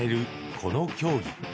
この競技。